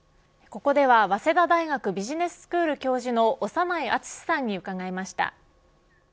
ここでは早稲田大学ビジネススクール教授の長内厚さんに伺いました。